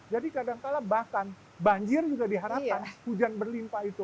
jadi kadangkala bahkan banjir juga diharapkan hujan berlimpah itu